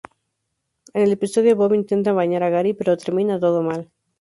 En el episodio Bob intenta bañar a Gary pero termina todo mal.